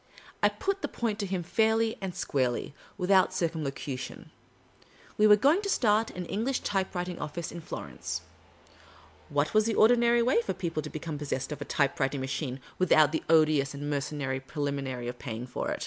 I put the point to him fairly and squarely, without circum locution ; we were going to start an English typewrititig office in Florence ; what was the ordinary way for people to become possessed of a typewriting machine, without the odious and mercenary preliminary of paying for it